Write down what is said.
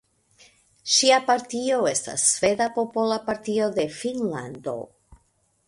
Ŝia partio estas Sveda Popola Partio de Finnlando.